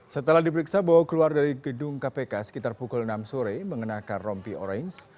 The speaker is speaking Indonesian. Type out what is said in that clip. setelah diperiksa bowo keluar dari gedung kpk sekitar pukul enam sore mengenakan rompi orange